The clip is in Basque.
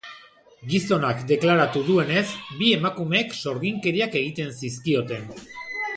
Gizonak deklaratu duenez, bi emakumeek sorginkeriak egiten zizkioten.